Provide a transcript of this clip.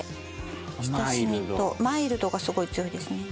「親しみ」と「マイルド」がすごい強いですね。